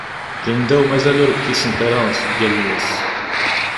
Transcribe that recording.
Tindaw mazal ur kkisent ara seg wallen-is.